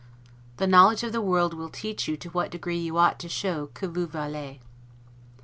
The knowledge of the world will teach you to what degree you ought to show 'que vous valez'.